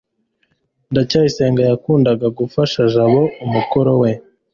ndacyayisenga yakundaga gufasha jabo umukoro we